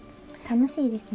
楽しいです。